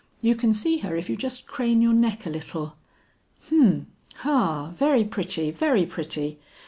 You can see her if you just crane your neck a little." "Humph, ha, very pretty, very pretty.